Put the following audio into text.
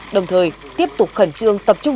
đồng thời tiếp tục khẩn trương tập trung